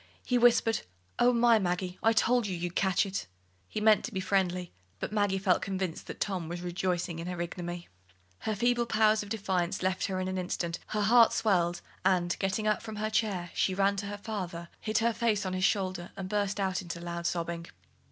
He whispered: "Oh, my! Maggie, I told you you'd catch it." He meant to be friendly, but Maggie felt convinced that Tom was rejoicing in her ignominy. Her feeble power of defiance left her in an instant, her heart swelled, and, getting up from her chair, she ran to her father, hid her face on his shoulder, and burst out into loud sobbing.